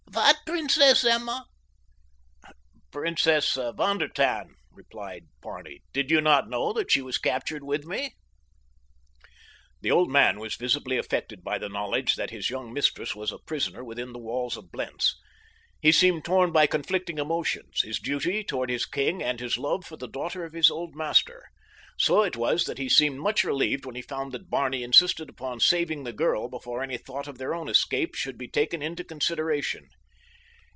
"What Princess Emma?" "Princess von der Tann," replied Barney. "Did you not know that she was captured with me!" The old man was visibly affected by the knowledge that his young mistress was a prisoner within the walls of Blentz. He seemed torn by conflicting emotions—his duty toward his king and his love for the daughter of his old master. So it was that he seemed much relieved when he found that Barney insisted upon saving the girl before any thought of their own escape should be taken into consideration.